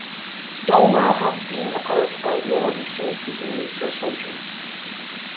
Dolma has been a part of Middle Eastern cuisine for centuries.